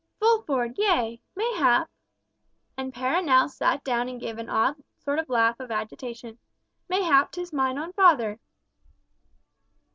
"Fulford, yea! Mayhap—" and Perronel sat down and gave an odd sort of laugh of agitation—"mayhap 'tis mine own father."